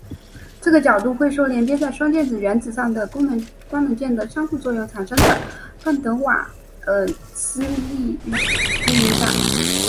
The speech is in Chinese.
这个角度会受连接在双键碳原子上的官能团的交互作用产生的范德瓦耳斯力影响。